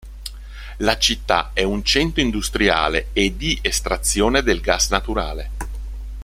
La città è un centro industriale e di estrazione del gas naturale.